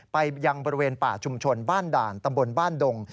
ไปยังบริเวณป่าชุมชนบ้านด่านตำบลบ้านดง